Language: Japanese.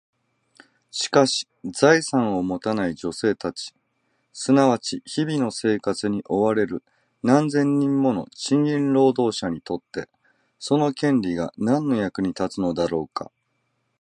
しかし、財産を持たない女性たち、すなわち日々の生活に追われる何千人もの賃金労働者にとって、その権利が何の役に立つのだろうか？